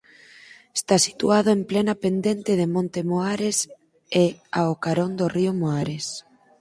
Está situado en plena pendente do monte Moares e ao carón do río Moares.